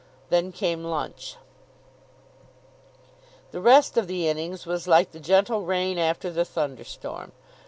Then came lunch. The rest of the innings was like the gentle rain after the thunderstorm.